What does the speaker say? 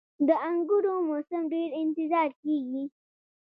• د انګورو موسم ډیر انتظار کیږي.